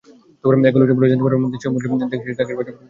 এগুলো পড়ে জানতে পারেন, দেশীয় মুরগি দিয়ে টার্কির বাচ্চা ফোটানো সম্ভব।